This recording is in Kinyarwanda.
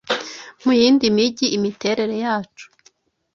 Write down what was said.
Muyindi mijyi. Imiterere yacu